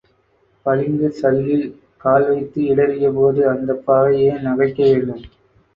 பளிங்குக் சல்லில் கால்வைத்து இடறியபோது அந்தப்பாவை ஏன் நகைக்க வேண்டும்?